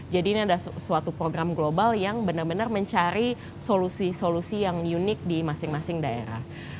jadi ini adalah suatu program global yang benar benar mencari solusi solusi yang unik di masing masing daerah